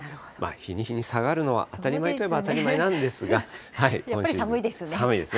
日に日に下がるのは当たり前といえば当たり前なんですが、今シー寒いですね。